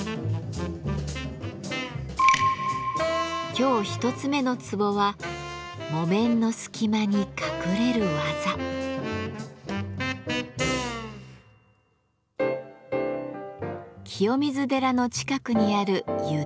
今日一つ目のツボは清水寺の近くにある湯豆腐店。